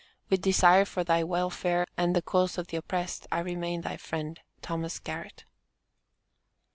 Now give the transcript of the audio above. With desire for thy welfare and the cause of the oppressed, I remain thy friend, THOS. GARRETT.